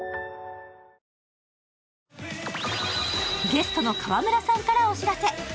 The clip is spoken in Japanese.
ゲストの川村さんからお知らせ。